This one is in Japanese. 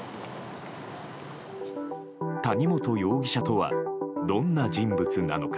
谷本容疑者とはどんな人物なのか。